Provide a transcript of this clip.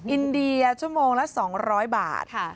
อินเดียชั่วโมงละ๒๐๐บาท